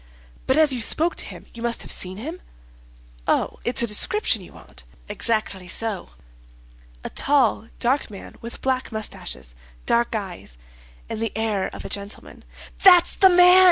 "But as you spoke to him you must have seen him." "Oh, it's a description you want?" "Exactly so." "A tall, dark man, with black mustaches, dark eyes, and the air of a gentleman." "That's the man!"